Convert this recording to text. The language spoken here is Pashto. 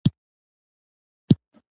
او بيا يې زر زر دواړه لاسونه ومږل